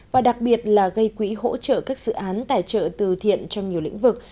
và đặc biệt là gây quỹ hỗ trợ các dự án tài trợ từ thiện trong nhiều lĩnh vực